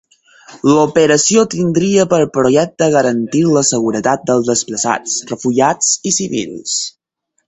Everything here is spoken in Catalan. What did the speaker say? L'operació tindria per objecte garantir la seguretat dels desplaçats, refugiats i civils.